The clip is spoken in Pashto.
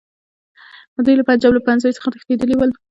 دوی له پنجاب له پوهنځیو څخه تښتېدلي ول.